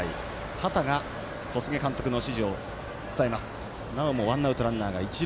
畑が小菅監督の指示を伝えます。